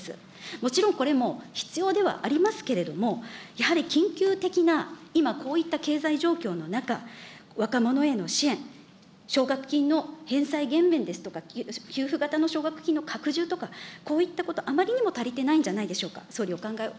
もちろんこれも必要ではありますけれども、やはり緊急的な、今、こういった経済状況の中、若者への支援、奨学金の返済減免ですとか、給付型の奨学金の拡充とか、こういったこと、あまりにも足りてないんじゃないでしょうか。